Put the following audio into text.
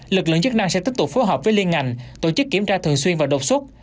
lực lượng chức năng sẽ tiếp tục phối hợp với liên ngành tổ chức kiểm tra thường xuyên và đột xuất